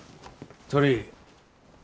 鳥居。